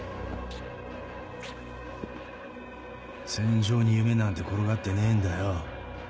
戦場に夢なんて転がってねえんだよ。